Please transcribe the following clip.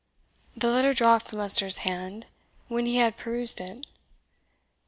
The letter dropped from Leicester's hand when he had perused it.